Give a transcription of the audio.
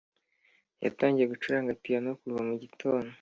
yatangiye gucuranga piyano kuva mu gitondo.